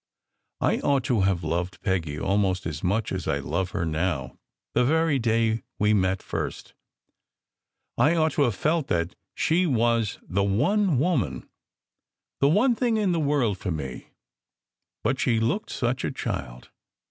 "I ought to have loved Peggy al most as much as I love her now, the very day we met first I ought to have felt she was the one woman the one thing in the world for me. But she looked such a child!